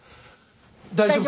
大丈夫？